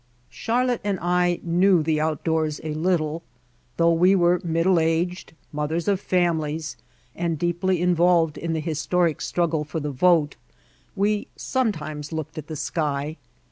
Charlotte and I knew the outdoors a little. Though we were middle aged, mothers of fami lies and deeply involved in the historic struggle for the vote, we sometimes looked at the sky.